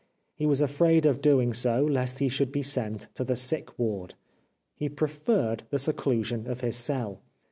He was afraid of doing so lest he should be sent to the sick ward. He preferred the seclusion of his cell.